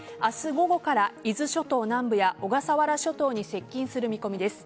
午後から伊豆諸島南部や小笠原諸島に接近する見込みです。